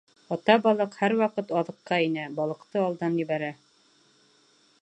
Ата балыҡ һәр ваҡыт аҙыҡҡа инә балыҡты алдан ебәрә.